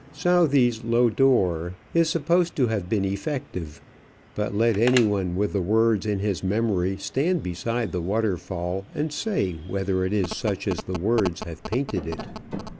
Southey's Lodore is supposed to have been effective; but let any one with the words in his memory stand beside the waterfall and say whether it is such as the words have painted it.